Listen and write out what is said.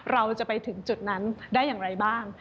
เราจะไปถึงจุดนั้นได้อย่างไรบ้าง